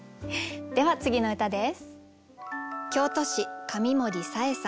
では次の歌です。